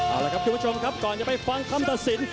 เอาละครับคุณผู้ชมครับก่อนจะไปฟังคำตัดสิน